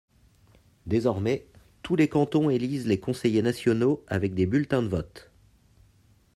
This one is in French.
Désormais, tous les cantons élisent les conseillers nationaux avec des bulletins de vote.